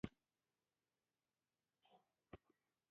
ورزش د انسان استقامت زیاتوي.